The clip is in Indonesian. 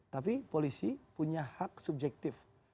tapi polisi punya hak subjektif